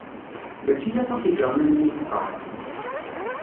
Mačči aṭas ijernanen i yeqqar.